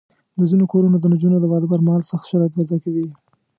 د ځینو کورنیو د نجونو د واده پر مهال سخت شرایط وضع کوي.